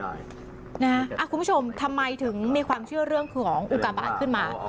คุณผู้ชมทำไมถึงมีความเชื่อเรื่องของอุกาบาทขึ้นมา